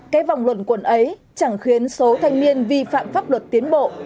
cái vòng luận quẩn ấy chẳng khiến số thanh niên vi phạm pháp luật tiến bộ